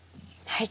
はい。